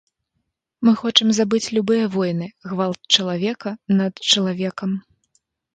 Мы хочам забыць любыя войны, гвалт чалавека над чалавекам.